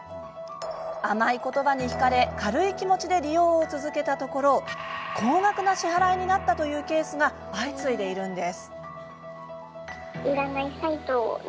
甘い言葉に引かれ軽い気持ちで利用を続けたところ高額な支払いになったというケースが相次いでいるのです。